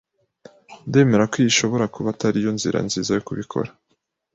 Ndemera ko iyi ishobora kuba atari yo nzira nziza yo kubikora.